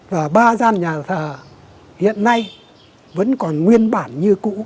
và ba gian nhà thờ hiện nay vẫn còn nguyên bản như cũ